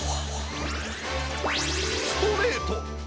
ストレート！